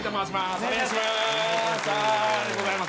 お願いします。